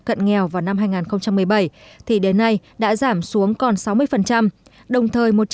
cận nghèo vào năm hai nghìn một mươi bảy thì đến nay đã giảm xuống còn sáu mươi đồng thời